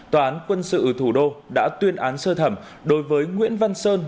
tòa án quân sự thủ đô đã tuyên án sơ thẩm đối với nguyễn văn sơn